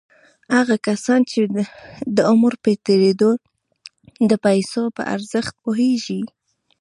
هغه کسان چې د عمر په تېرېدو د پيسو په ارزښت پوهېږي.